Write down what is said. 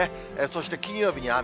そして、金曜日に雨。